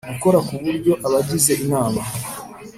gukora ku buryo abagize inama